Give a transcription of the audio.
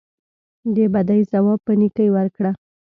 د بدۍ ځواب په نیکۍ ورکړه.